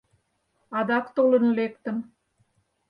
Адак толын лектын.